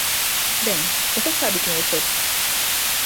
Bem, você sabe quem eu sou.